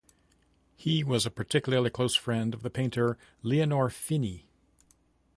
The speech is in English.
He was a particularly close friend of the painter Leonor Fini.